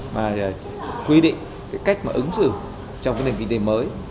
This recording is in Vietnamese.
mà quy định cái cách mà ứng xử trong cái nền kinh tế mới